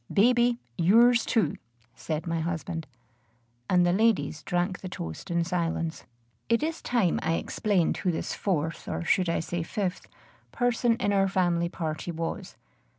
Baby, yours too!" said my husband; and the ladies drank the toast in silence. It is time I explained who this fourth or should I say fifth? person in our family party was.